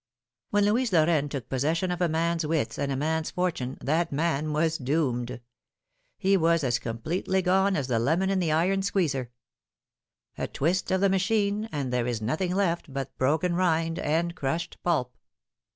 When Louise Lorraine took possession of a man's wits and a man's fortune that man was doomed. He was as completely gone as the lemon in the iron squeezer. A twist of the machine, and there is nothing left but broken rind and crushed pulp.